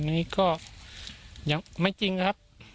อันนี้ก็ยังไม่จริงครับ